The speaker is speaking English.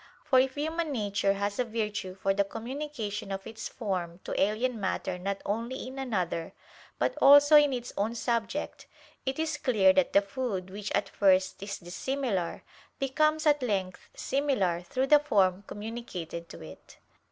For if human nature has a virtue for the communication of its form to alien matter not only in another, but also in its own subject; it is clear that the food which at first is dissimilar, becomes at length similar through the form communicated to it.